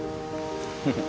フフッ。